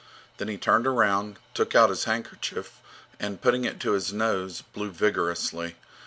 Then he turned around, took out his handkerchief, and, putting it to his nose, blew vigorously.